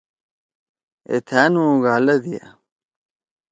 ہے تھا نُو ہُوگالَدیا۔